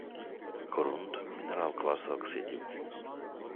Корунд – мінерал класу оксидів